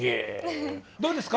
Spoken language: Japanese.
どうですか？